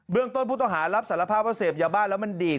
ต้นผู้ต้องหารับสารภาพว่าเสพยาบ้าแล้วมันดีด